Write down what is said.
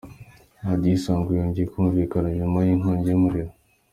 Radiyo Isango yongeye kumvikana nyuma y’inkongi y’umuriro